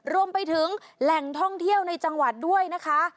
รวมไปถึงแหล่งท่องเที่ยวในจังหวัดด้วยนะคะ